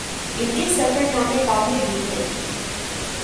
ان کے سفر نامے قابل دید ہیں